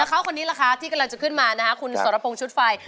เขาคนนี้ล่ะคะที่กำลังจะขึ้นมานะคะคุณสรพงษ์ชุดไฟ